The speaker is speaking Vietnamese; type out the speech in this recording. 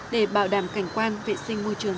để bảo đảm cảnh quan vệ sinh môi trường